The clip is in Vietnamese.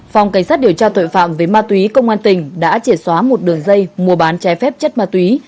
phòng cảnh sát điều tra tội phạm về ma túy công an tỉnh đã chỉ xóa một đường dây mua bán trái phép chất ma túy